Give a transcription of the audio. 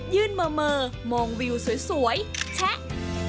ยื่นเมอร์มองวิวสวยแชะ